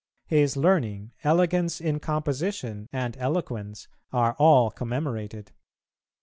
His learning, elegance in composition, and eloquence, are all commemorated.